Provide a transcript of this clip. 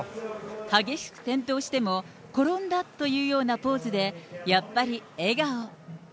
激しく転倒しても、転んだというようなポーズで、やっぱり笑顔。